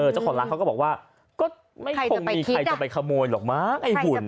เจ้าของร้านเขาก็บอกว่าก็ไม่คงมีใครจะไปขโมยหรอกมาก